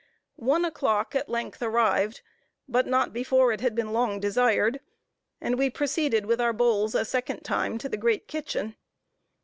One o'clock at length arrived, but not before it had been long desired; and we proceeded with our bowls a second time, to the great kitchen.